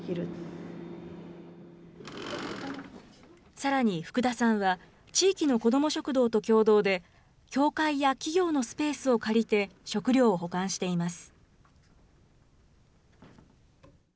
さらに福田さんは、地域の子ども食堂と共同で、教会や企業のスペースを借りて、食料を保管しています。